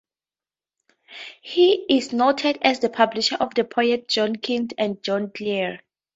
He is noted as the publisher of the poets John Keats and John Clare.